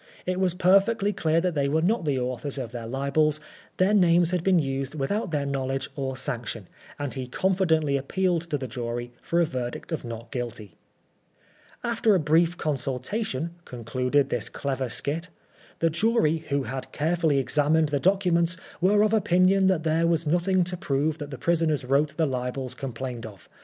It was perfectly clear that they were not the authors of the libels ; their names had been used without their knowledge or sanction ; and he confidently ap pealed to the jury for a verdict of Not Guilty. "After a brief consultation," concluded this clever skit, " the jury, who had carefully examined the documents, were of opinion that there was nothing to prove that the prisoners wrote the libels complained of.